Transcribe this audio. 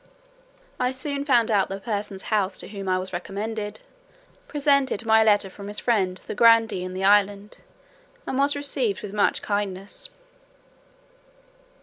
I soon found out the person's house to whom I was recommended, presented my letter from his friend the grandee in the island, and was received with much kindness.